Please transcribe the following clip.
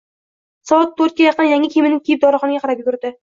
Soat to`rtga yaqin yangi kiyimini kiyib dorixonaga qarab yugurdi